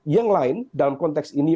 yang lain dalam konteks ini